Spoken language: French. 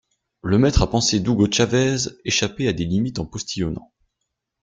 Le maître à penser d'Hugo Chavez échappait à des limites en postillonnant!